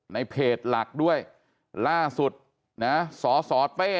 ในเพจหลักด้วยล่าสุดสอดเนี้ย